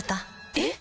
えっ⁉